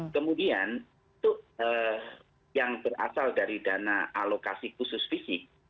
kemudian untuk yang berasal dari dana alokasi khusus fisik